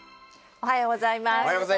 おはようございます。